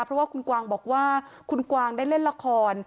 เพราะว่าคุณกวางบอกว่าคุณกวางได้เล่นละคร